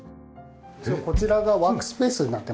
次はこちらがワークスペースになってまして。